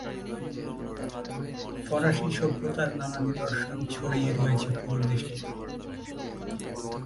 ফরাসি সভ্যতার নানা নিদর্শন ছড়িয়ে রয়েছে পুরো দেশটিতে।